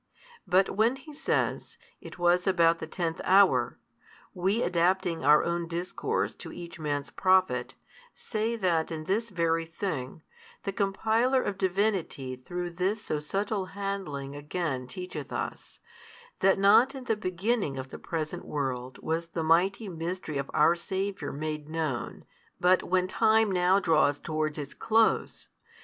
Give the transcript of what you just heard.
But when he says, it was about the tenth hour, we adapting our own discourse to each man's profit, say that in this very thing, the compiler of Divinity through this so subtle handling again teacheth us, that not in the beginning of the present world was the mighty mystery of our Saviour made known, but when time now draws towards its close.